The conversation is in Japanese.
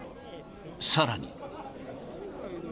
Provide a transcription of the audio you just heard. さらに。